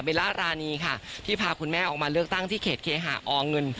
ล่ารานีค่ะที่พาคุณแม่ออกมาเลือกตั้งที่เขตเคหาอเงิน